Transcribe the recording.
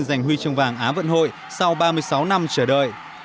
giành huy chương vàng á vận hội sau ba mươi sáu năm chờ đợi